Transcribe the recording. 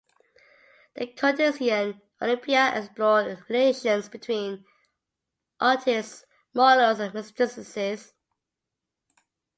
"The Courtesan Olympia" explored relations between artists' models and mistresses.